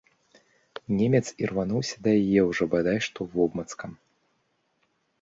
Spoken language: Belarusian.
Немец ірвануўся да яе ўжо бадай што вобмацкам.